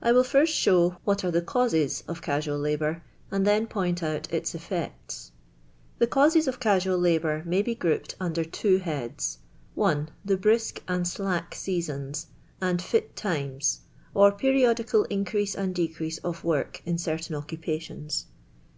I will first show what are the causes of casual labour, and then point out its effects. The causes t>f casual labour may be grouped under two heads :— I. The iii isk and Slack Seasons, and Fit Times, or periodical increase and decrease of work in certain occupations.